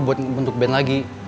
buat bentuk band lagi